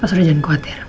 pak surya jangan khawatir